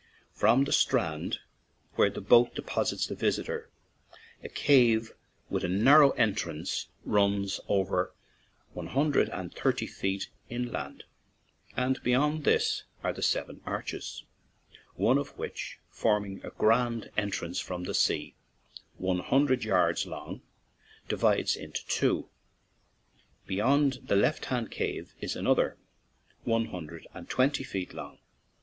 From the 15 ON AN IRISH JAUNTING CAR strand where the boat deposits the visitor, a cave with a narrow entrance runs one hundred and thirty feet inland, and be yond this are the "Seven Arches/' one of which, forming a grand entrance from the sea, one hundred yards long, divides into two. Beyond the left hand cave is another, one hundred and twenty feet long.